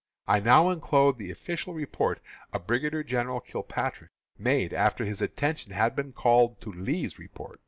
I now enclose the official report of Brigadier General Kilpatrick, made after his attention had been called to Lee's report.